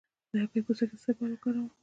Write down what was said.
د هګۍ پوستکی د څه لپاره وکاروم؟